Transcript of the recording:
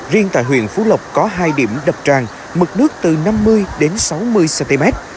riêng tại huyện phú lộc có hai điểm đập tràn mực nước từ năm mươi đến sáu mươi cm